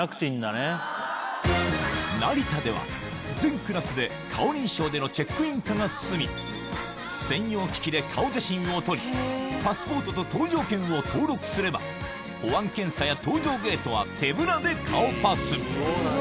成田では全クラスで顔認証でのチェックイン化が進み専用機器で顔写真を撮りパスポートと搭乗券を登録すれば保安検査や搭乗ゲートは手ぶらで顔パス